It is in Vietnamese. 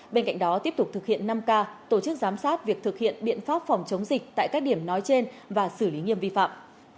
bên cạnh đó tiếp tục thực hiện năm k tổ chức giám sát việc thực hiện biện pháp phòng chống dịch tại các điểm nói trên và xử lý nghiêm vi phạm